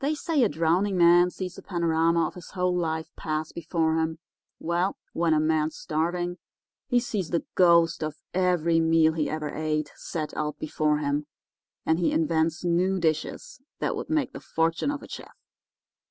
"They say a drowning man sees a panorama of his whole life pass before him. Well, when a man's starving he sees the ghost of every meal he ever ate set out before him, and he invents new dishes that would make the fortune of a chef.